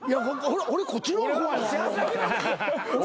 俺こっちの方が怖いわアホ。